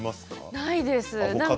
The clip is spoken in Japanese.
ないです。